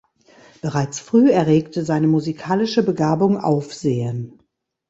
Bereits früh erregte seine musikalische Begabung Aufsehen.